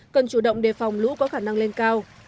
cần chủ động đề phòng lũ có khả năng lên cao